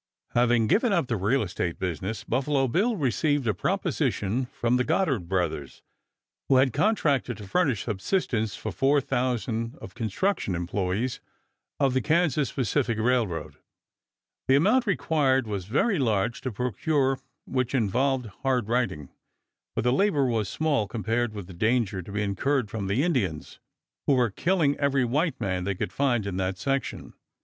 Having given up the real estate business Buffalo Bill received a proposition from the Goddard Brothers, who had contracted to furnish subsistence for thousands of construction employes of the Kansas Pacific Railroad. The amount required was very large to procure which involved hard riding; but the labor was small compared with the danger to be incurred from the Indians, who were killing every white man they could find in that section.